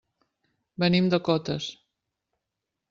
Venim de Cotes.